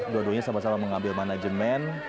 dua duanya sama sama mengambil manajemen